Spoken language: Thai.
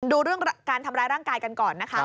ดูเรื่องการทำร้ายร่างกายกันก่อนนะคะ